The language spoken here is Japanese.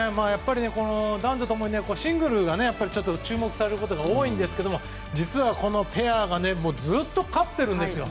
男女ともにシングルが注目されることが多いんですが実はこのペアがずっと勝ってるんですよ。